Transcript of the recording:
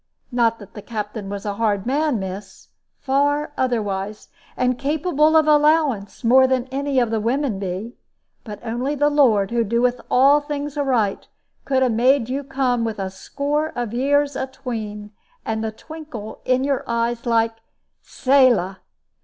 Not that the Captain was a hard man, miss far otherwise, and capable of allowance, more than any of the women be. But only the Lord, who doeth all things aright, could 'a made you come, with a score of years atween, and the twinkle in your eyes like Selah!"